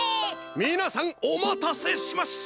みなさんおまたせしました！